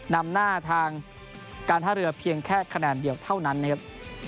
นำหน้าทางการท่าเรือเพียงแค่คะแนนเดียวเท่านั้นนะครับ